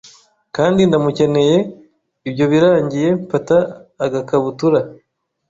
kandi ndamukeneye, ibyo birangiye mfata agakabutur